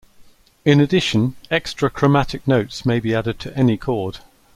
In addition, extra chromatic notes may be added to any chord.